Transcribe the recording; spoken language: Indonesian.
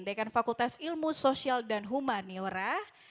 dekan fakultas ilmu sosial dan humaniora